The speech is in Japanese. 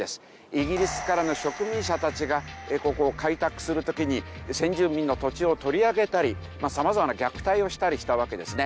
イギリスからの植民者たちがここを開拓する時に先住民の土地を取り上げたり様々な虐待をしたりしたわけですね。